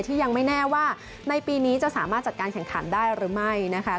ที่ยังไม่แน่ว่าในปีนี้จะสามารถจัดการแข่งขันได้หรือไม่นะคะ